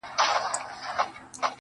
د پامیر لوري یه د ښکلي اریانا لوري.